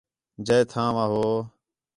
جئے تھاں وا ہو